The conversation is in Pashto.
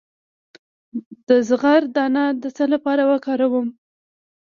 د زغر دانه د څه لپاره وکاروم؟